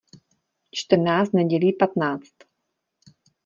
Čtrnáct nedělí patnáct.